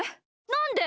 なんで？